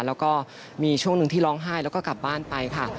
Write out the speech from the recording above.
แล้วก็มีช่วงหนึ่งที่ร้องไห้แล้วก็กลับบ้านไปค่ะ